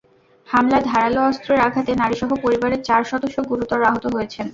হামলায় ধারালো অস্ত্রের আঘাতে নারীসহ পরিবারের চার সদস্য গুরুতর আহত হয়েছেন।